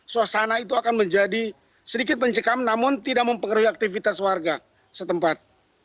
suasana itu akan menjadi sedikit mencekam namun tidak mempengaruhi aktivitas warga setempat